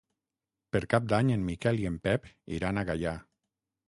Per Cap d'Any en Miquel i en Pep iran a Gaià.